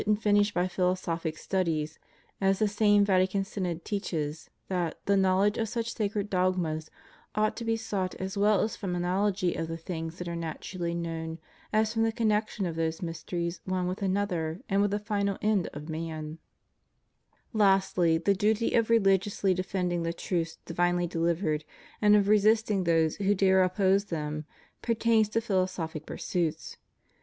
and finished by philosophic studies, as the same Vatican Synod teaches that the knowledge of such sacred dogmas ought to be sought as well from analogy of the things that are naturally known as from the connection of those mysteries one with another and with the final end of man/ Lastly, the duty of religiously defending the truths divinely delivered, and of resisting those who dare op pose tiiem, pertains to philosophic pursuits.